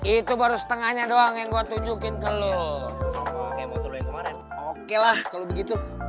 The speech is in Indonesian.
itu baru setengahnya doang yang gue tunjukin ke lu oke lah begitu